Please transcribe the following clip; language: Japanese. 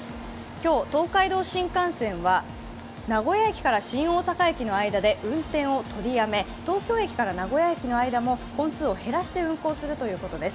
今日、東海道新幹線は名古屋駅から新大阪駅の間で運転を取りやめ、東京駅から名古屋駅の間も本数を減らして運行するということです。